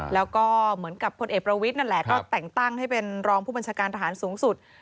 แล้วก็เหมือนกับพลเอกประวิทย์นั่นแหละก็แต่งตั้งให้เป็นรองผู้บัญชาการทหารสูงสุด